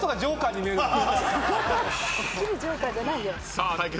さあ対決